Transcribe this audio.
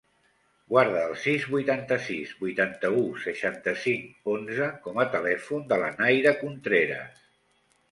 Guarda el sis, vuitanta-sis, vuitanta-u, seixanta-cinc, onze com a telèfon de la Nayra Contreras.